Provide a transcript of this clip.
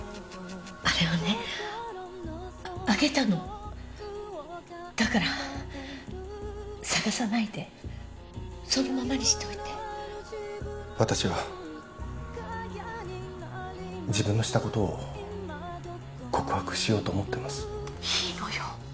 あれはねあげたのだから捜さないでそのままにしといて私は自分のしたことを告白しようと思ってますいいのよ